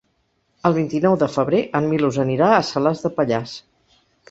El vint-i-nou de febrer en Milos anirà a Salàs de Pallars.